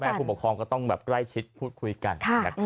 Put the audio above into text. พ่อแม่คุณปกครองก็ต้องใกล้ชิดพูดคุยกัน